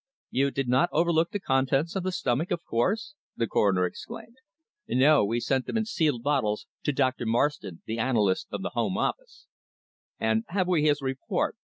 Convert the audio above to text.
"You did not overlook the contents of the stomach, of course?" the Coroner exclaimed. "No, we sent them in sealed bottles to Dr. Marston, the analyst of the Home Office." "And have we his report?"